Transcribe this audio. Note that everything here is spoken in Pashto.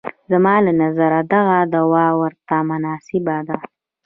زما له نظره دغه دوا ورته مناسبه ده.